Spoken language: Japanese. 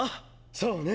そうね。